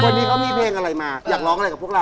วันนี้เขามีเพลงอะไรมาอยากร้องอะไรกับพวกเรา